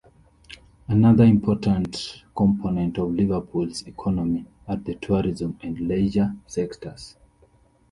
Another important component of Liverpool's economy are the tourism and leisure sectors.